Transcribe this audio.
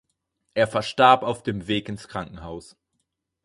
Er verstarb auf dem Weg ins Krankenhaus.